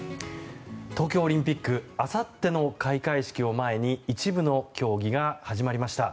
東京オリンピックあさっての開会式を前に一部の競技が始まりました。